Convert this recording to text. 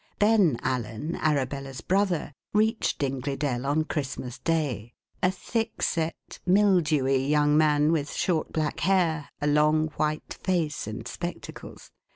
Ben Allen, Arabella's brother, reached Dingley Dell on Christmas Day a thick set, mildewy young man, with short black hair, a long white face and spectacles.